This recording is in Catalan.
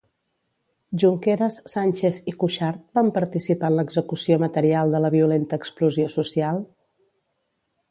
Junqueras, Sànchez i Cuixart van participar en l'execució material de la violenta explosió social?